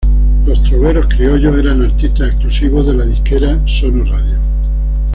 Los Troveros Criollos eran artistas exclusivos de la disquera Sono Radio.